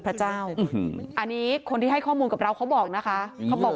พระเจ้าอันนี้คนที่ให้ข้อมูลกับเราเขาบอกนะคะเขาบอก